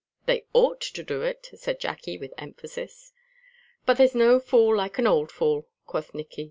"They ought to do it," said Jacky, with emphasis. "But there's no fool like an old fool," quoth Nicky.